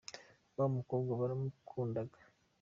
wamukobwa baramukundaga